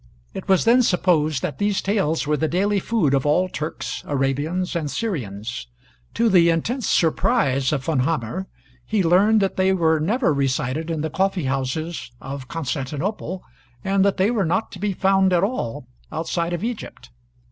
It was then supposed that these tales were the daily food of all Turks, Arabians, and Syrians. To the intense surprise of Von Hammer, he learned that they were never recited in the coffee houses of Constantinople, and that they were not to be found at all outside of Egypt.